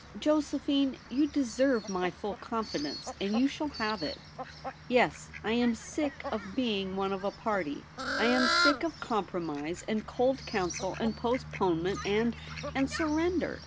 ' Josephine, ycu deserve my full confidence, and you shall have it. Yes, I am sick of being one of a party ; I am sick of compro mise and cold counsel, and postponement, and — and surrender.